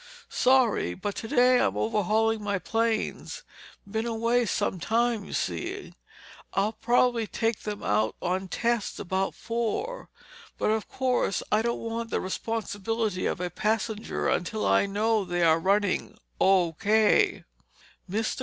"Sorry, but today I'm overhauling my planes. Been away some time, you see. I'll probably take them up on tests about four. But of course I don't want the responsibility of a passenger until I know they are running O.K." Mr.